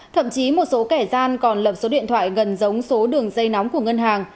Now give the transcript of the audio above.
thậm chí một số kẻ gian còn lập số điện thoại gần giống số đường dây nóng của ngân hàng